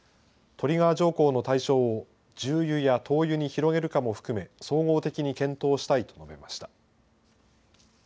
トリガー条項の対象を重油や灯油に広げるかも含め総合的に検討したいと述べました。